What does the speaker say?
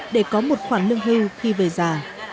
để có một khoản lương hưu khi về già